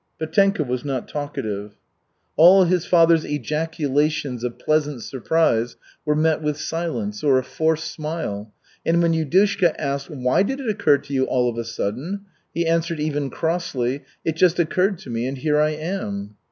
Petenka was not talkative. All his father's ejaculations of pleasant surprise were met with silence, or a forced smile, and when Yudushka asked, "Why did it occur to you all of a sudden?" he answered even crossly, "It just occurred to me and here I am."